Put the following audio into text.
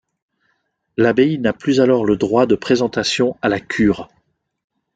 L'abbaye n'a plus alors le droit de présentation à la cure.